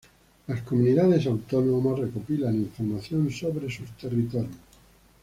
Las Comunidades Autónomas recopilan información sobre sus territorios.